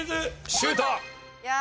シュート！